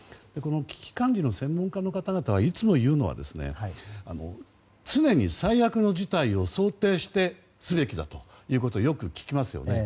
危機管理の専門家の方々がいつも言うのは常に、最悪の事態を想定すべきだということをよく聞きますよね。